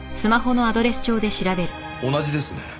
同じですね。